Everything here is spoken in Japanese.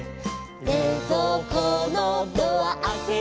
「れいぞうこのドアあけて」